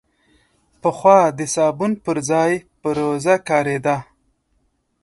پخوا د صابون پر ځای بوروزه کارېده.